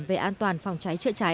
về an toàn phòng cháy trựa cháy